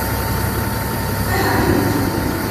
Aha ini-d!